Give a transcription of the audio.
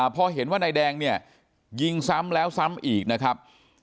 พอเห็นว่านายแดงเนี่ยยิงซ้ำแล้วซ้ำอีกนะครับ